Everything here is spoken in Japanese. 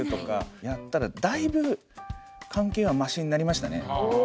でやったらだいぶ関係はマシになりましたね。